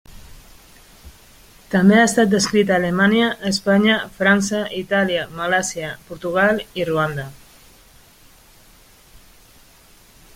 També ha estat descrita a Alemanya, Espanya, França, Itàlia, Malàisia, Portugal i Ruanda.